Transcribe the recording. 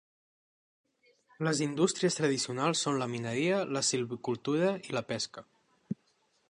Les indústries tradicionals són la mineria, la silvicultura i la pesca.